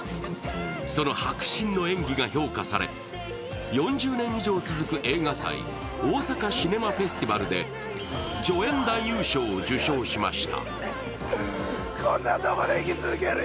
その迫真の演技が評価され、４０年以上続く映画祭、おおさかシネマフェスティバルで助演男優賞を受賞しました。